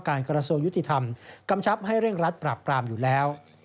กระทรวงยุติธรรมกำชับให้เร่งรัดปราบปรามอยู่แล้ว